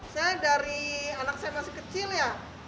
saya dari anak saya masih kecil ya